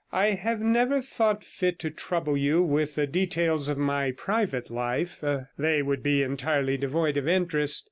I have never thought fit to trouble you with the details of my private life; they would be entirely devoid of interest.